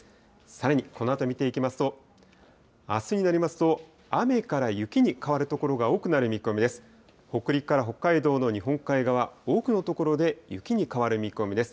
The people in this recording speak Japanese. さらにこのあと見ていきますと、あすになりますと、雨から雪に変わる所が多くなる見込みです。